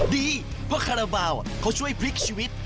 ดีเพราะคาราบาลเขาช่วยพลิกชีวิต